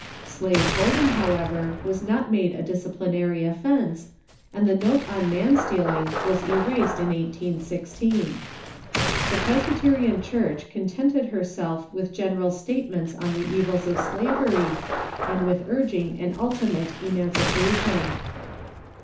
Slave holding, however, was not made a disciplinarj^ offence, and the note on man stealing was erased in 1816. The Presbyterian Church contented her self with general statements of the evils of slavery, and with urging an ultimate emancipation.